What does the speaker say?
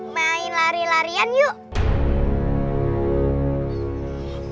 main lari larian yuk